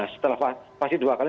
setelah vaksin dua kali